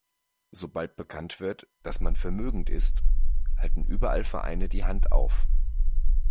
Sobald bekannt wird, dass man vermögend ist, halten überall Vereine die Hand auf.